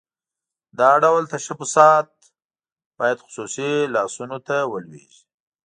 دا ډول تشبثات باید خصوصي لاسونو ته ولویږي.